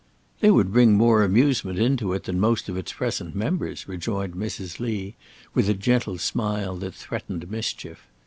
"They would bring more amusement into it than most of its present members," rejoined Mrs. Lee, with a gentle smile that threatened mischief.